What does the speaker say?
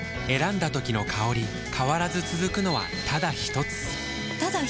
選んだ時の香り変わらず続くのはただひとつ？